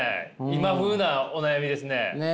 今風なお悩みですね。